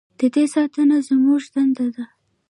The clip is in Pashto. د دې ساتنه زموږ دنده ده